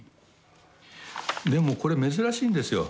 でもこれ珍しいんですよ。